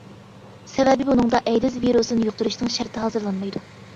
سەۋەبى بۇنىڭدا ئەيدىز ۋىرۇسىنى يۇقتۇرۇشنىڭ شەرتى ھازىرلانمايدۇ.